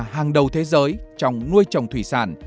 hàng đầu thế giới trong nuôi trồng thủy sản